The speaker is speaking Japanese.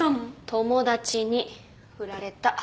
友達に振られた。